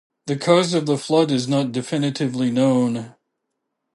The cause of the flood is not definitively known.